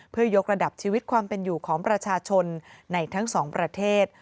เพื่อยกระดับชีวิตความเป็นอยู่ของประชาชนในทั้งสองประเทศ